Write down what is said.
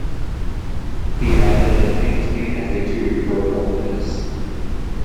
He added "It pains me as a Jew to report this".